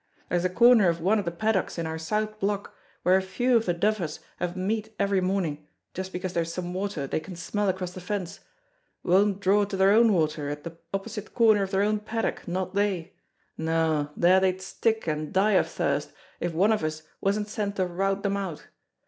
There's a corner of one of the paddocks in our South Block where a few of the duffers have a meet every morning, just because there's some water they can smell across the fence; won't draw to their own water at the opposite corner of their own paddock, not they! No, there they'd stick and die of thirst if one of us wasn't sent to rout them out.